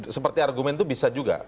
seperti argumen itu bisa juga